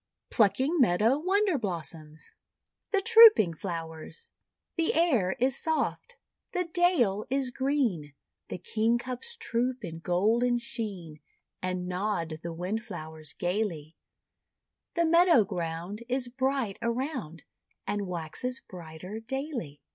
PLUCKING MEADOW WONDER BLOSSOMS THE TROOPING FLOWERS The air is soft, the dale is green, The Kingcups troop in golden sheen, And nod the Wind/lowers gaily; The meadow ground Is bright around, And waxes brighter daily.